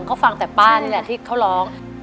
เขาฟังแต่ป้านี่แหละที่เขาร้อง